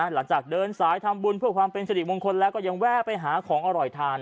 หลังจากเดินสายทำบุญเพื่อความเป็นสิริมงคลแล้วก็ยังแวะไปหาของอร่อยทาน